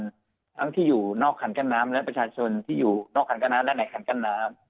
ทั้งที่อยู่นอกคันกั้นน้ำและประชาชนที่อยู่นอกคันกั้นน้ำและในคันกั้นน้ำ